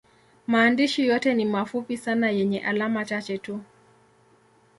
Maandishi yote ni mafupi sana yenye alama chache tu.